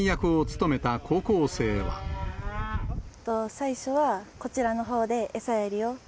最初はこちらのほうで餌やりを。